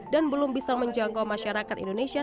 dan belum bisa menjangkau masyarakat indonesia